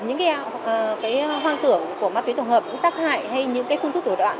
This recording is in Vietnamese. những hoang tưởng của ma túy tổng hợp cũng tác hại hay những phương thức tổ đoạn